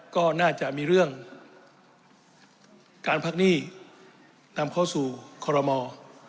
ก็น่าจะมีเรื่องการพักหนี้นำเข้าสู่คอรมอ